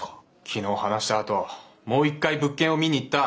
昨日話したあともう一回物件を見に行った。